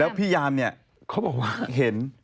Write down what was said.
แล้วพี่ยามนี่เขาบอกว่าเห็น